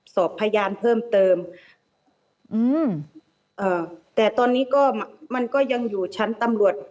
สอบพยานเพิ่มเติมอืมเอ่อแต่ตอนนี้ก็มันก็ยังอยู่ชั้นตำรวจ